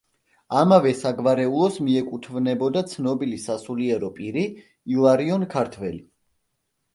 ამავე საგვარეულოს მიეკუთვნებოდა ცნობილი სასულიერო პირი ილარიონ ქართველი.